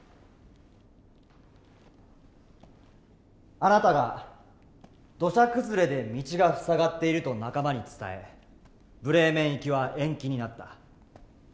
あなたが土砂崩れで道が塞がっていると仲間に伝えブレーメン行きは延期になった。